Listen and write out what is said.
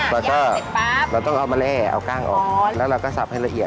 แล้วก็เราต้องเอามาแร่เอากล้างออกแล้วเราก็สับให้ละเอียด